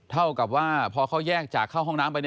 เท่ากับว่าพอเขาแยกจากเข้าห้องน้ำไป